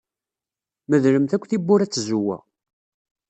Medlemt akk tiwwura ed tzewwa.